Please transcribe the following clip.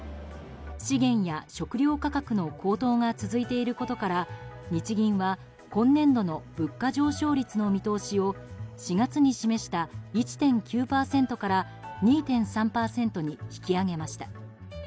資源や食料価格の高騰が続いていることから日銀は今年度の物価上昇率の見通しを４月に示した１．９％から２．３％に引き上げました。